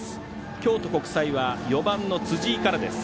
京都国際は４番の辻井からです。